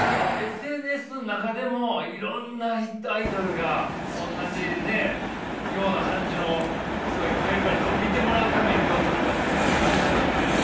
ＳＮＳの中でもいろんなアイドルがおんなじような感じの人がいっぱいいるから見てもらうためにどうするかっていうのも考えないといけないし。